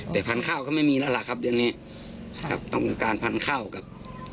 แต่พันข้าวก็ไม่มีแล้วล่ะครับตอนนี้ต้องการพันข้าวกับ